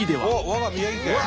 我が宮城県。